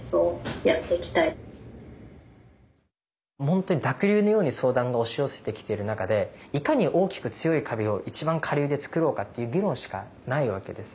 本当に濁流のように相談が押し寄せてきている中でいかに大きく強い壁を一番下流でつくろうかという議論しかないわけです。